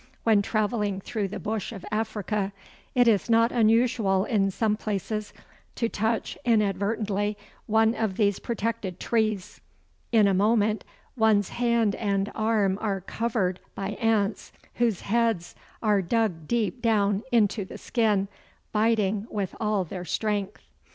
When travelling through the bush in Africa, it is not unusual in some places to touch inadvertently one of these protected trees. In a moment one's hand and arm are covered by ants whose heads are dug deep down into the skin, biting with all their strength.